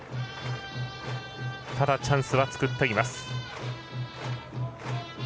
ただ、チャンスは作っています。